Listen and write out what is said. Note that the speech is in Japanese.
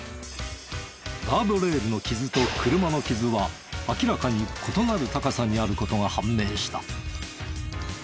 ガードレールの傷と車の傷は明らかに異なる高さにある事が判明した。